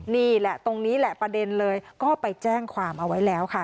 นี่แหละตรงนี้แหละประเด็นเลยก็ไปแจ้งความเอาไว้แล้วค่ะ